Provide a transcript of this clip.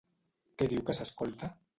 Què diu que s'escolta?